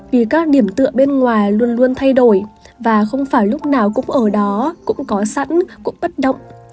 vì các điểm tựa bên ngoài luôn luôn thay đổi và không phải lúc nào cũng ở đó cũng có sẵn cũng bất động